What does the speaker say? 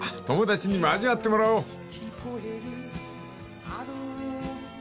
友達にも味わってもらおう］